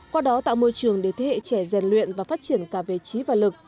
qua đó tạo môi trường để thế hệ trẻ rèn luyện và phát triển cả về trí và lực